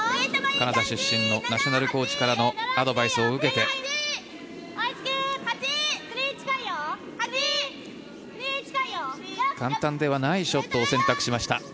カナダ出身のナショナルコーチからのアドバイスを受けて簡単ではないショットを選択しました。